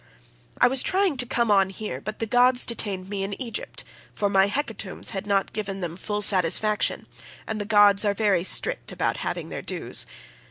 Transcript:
"I was trying to come on here, but the gods detained me in Egypt, for my hecatombs had not given them full satisfaction, and the gods are very strict about having their dues.